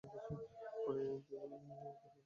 পরে তিনি আগ্রায় বসতি স্থাপন করেন।